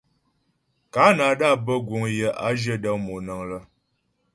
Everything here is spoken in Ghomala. Kanada bə́ guŋ yə a zhyə dəŋ monəŋ lə́.